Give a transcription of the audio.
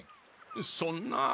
そんな。